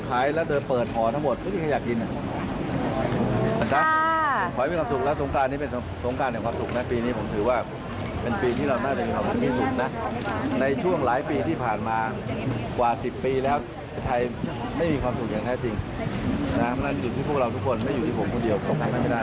ขอให้มีความสุขแล้วสงครานนี้เป็นสงครานของความสุขนะปีนี้ผมถือว่าเป็นปีที่เราน่าจะมีความสุขที่สุดนะในช่วงหลายปีที่ผ่านมากว่าสิบปีแล้วไทยไม่มีความสุขอย่างแท้จริงนะมันก็คือที่พวกเราทุกคนไม่อยู่ที่ผมคนเดียวตกมาไม่ได้